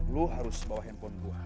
lo harus bawa handphone gua